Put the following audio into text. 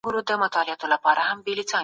خپل کار په نیمه کي مه پریږدئ.